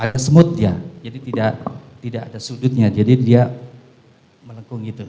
ada smooth dia jadi tidak ada sudutnya jadi dia melengkung itu